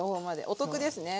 お得ですね